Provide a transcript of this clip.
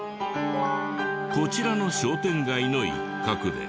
こちらの商店街の一角で。